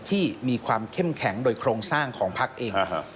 ที่มีความเข้มแข็งโดยโครงสร้างของพักเอง